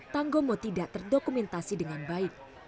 tanggomo tidak terdokumentasi dengan baik